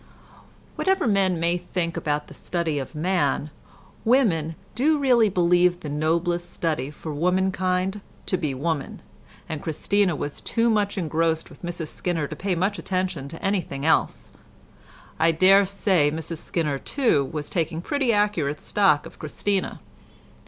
Whatever men may think about the study of man, women do really believe the noblest study for womankind to be woman, and Christina was too much engrossed with Mrs Skinner to pay much attention to anything else; I daresay Mrs Skinner, too, was taking pretty accurate stock of Christina.